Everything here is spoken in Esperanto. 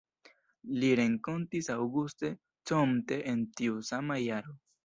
Li renkontis Auguste Comte en tiu sama jaro.